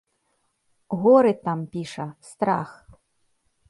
Горы там, піша, страх.